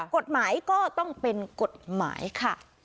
กฎหมายก็ต้องเป็นกฎหมายค่ะ